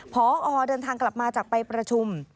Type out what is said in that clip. พอเดินทางกลับมาจากไปประชุม